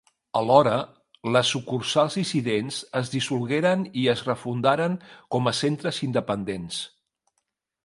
Alhora, les sucursals dissidents es dissolgueren i es refundaren com a centres independents.